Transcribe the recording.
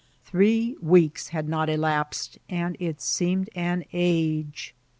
Three weeks had not elapsed, and it seemed an age.